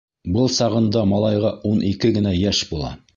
Был сағында малайға ун ике генә йәш була.